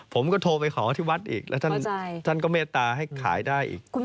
ผมก็โทรไปขอที่วัดอีกแล้วท่านก็เมตตาให้ขายได้อีก